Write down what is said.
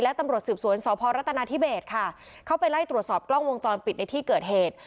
และตำรวจสืบสวนสพรัฐนาธิเบสค่ะเข้าไปไล่ตรวจสอบกล้องวงจรปิดในที่เกิดเหตุ